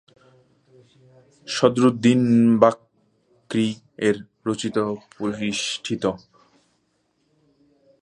সদরুদ্দীন বাকরী-এর রচিত পরিশিষ্ট।